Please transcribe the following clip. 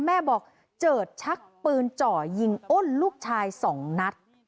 แม่บอกเจิดชักปืนเจาะยิงอ้นลูกชาย๒นัด